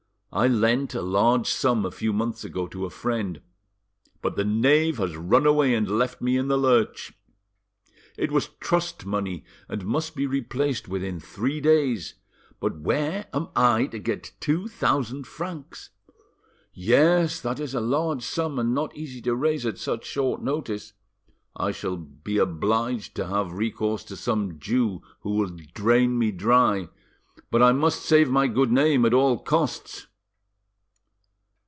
I lent a large sum, a few months ago, to a friend, but the knave has run away and left me in the lurch. It was trust money, and must be replaced within three days. But where am I to get two thousand francs?" "Yes, that is a large sum, and not easy to raise at such short notice." "I shall be obliged to have recourse to some Jew, who will drain me dry. But I must save my good name at all costs."